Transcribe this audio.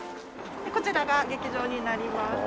こちらが劇場になります。